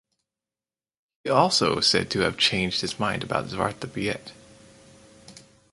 He also said to have changed his mind about Zwarte Piet.